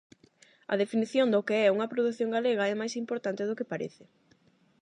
A definición do que é unha produción galega é máis importante do que parece.